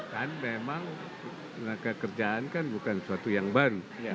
kan memang tenaga kerjaan kan bukan sesuatu yang baru